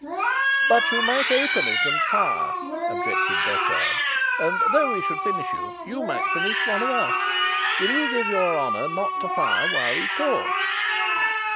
"But you might open it and fire," objected Detchard; "and though we should finish you, you might finish one of us. Will you give your honour not to fire while we talk?"